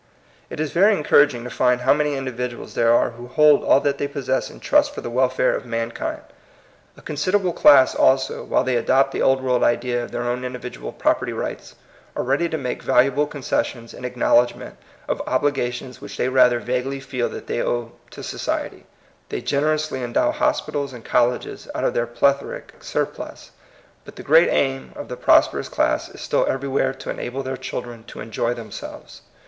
It is very encouraging to find how many individuals there are who hold all that they possess in trust for the welfare of mankind. PROBLEM OF THE PROSPEROUS. 123 A considerable class also, while they adopt the Old World idea of their own individual property rights, are ready to make valua ble concessions in acknowledgment of obli gations which they rather vaguely feel that they owe to society. They generously en dow hospitals and colleges out of their plethoric surplus. But the great aim of the prosperous class is still everywhere to enable their children to enjoy themselves.